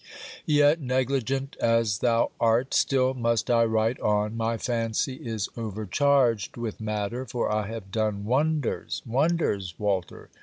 Yet, negligent as thou art, still must I write on. My fancy is overcharged with matter, for I have done wonders: wonders, Walter!